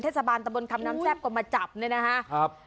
เทศบาลตมนต์คำน้ำแจ้บก็มาจับนะฮะครับ